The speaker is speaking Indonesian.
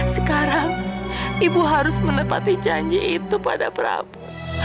sekarang ibu harus menepati janji itu pada prabu